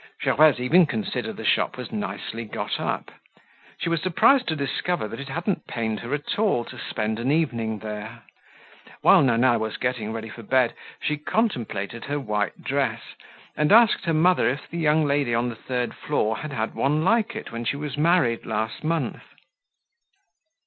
Gervaise even considered the shop was nicely got up. She was surprised to discover that it hadn't pained her at all to spend an evening there. While Nana was getting ready for bed she contemplated her white dress and asked her mother if the young lady on the third floor had had one like it when she was married last month.